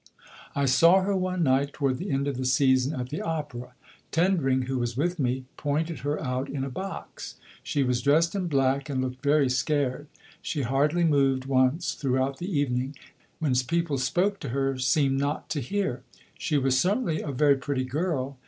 I saw her one night toward the end of the season at the Opera. Tendring, who was with me, pointed her out in a box. She was dressed in black and looked very scared. She hardly moved once throughout the evening, and when people spoke to her seemed not to hear. She was certainly a very pretty girl.